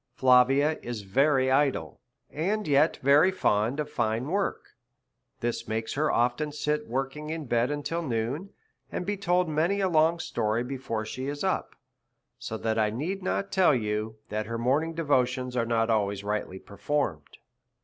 Flavia is very idle, and yet very fond of fine work ; this makes her often sit working in bed until noonj and DEVOUT AND HOLY LIFE. 69 be told many a long story before she is up ; so that I need not tell you that her morning devotions are not always rightly performed.